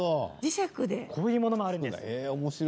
こういうものもあるんです。